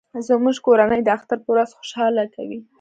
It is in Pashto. زموږ کورنۍ د اختر په ورځ خوشحالي کوي